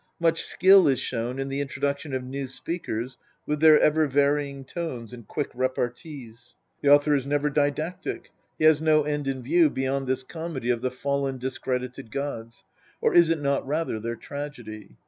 Much skill is shown in "the introduction of new speakers, with their ever varying tones, and quick repartees. The author is never didactic ; he has no end in view beyond this comedy of the fallen, discredited gods or is it not rather their tragedy